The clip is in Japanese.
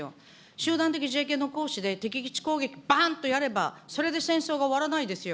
集団的自衛権の行使で敵基地攻撃、ばんっとやれば、それで戦争が終わらないですよ。